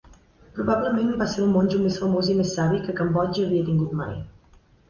Probablement va ser el monjo més famós i més savi que Cambodja havia tingut mai.